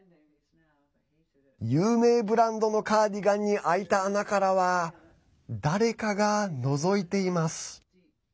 有名ブランドのカーディガンに開いた穴からは誰かがのぞいています。